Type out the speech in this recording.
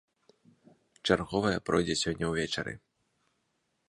Чарговая пройдзе сёння ўвечары.